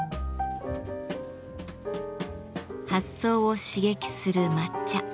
発想を刺激する抹茶。